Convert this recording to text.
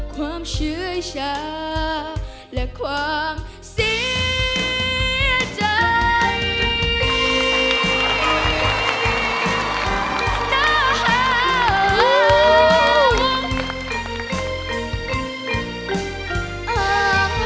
ความเชื่อชาและความเสียใจ